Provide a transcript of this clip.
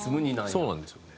そうなんですよね。